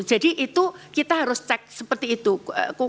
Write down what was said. jadi itu kita harus cek seperti itu